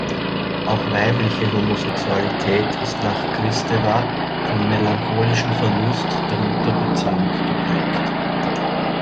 Auch weibliche Homosexualität ist nach Kristeva vom melancholischen Verlust der Mutter-Beziehung geprägt.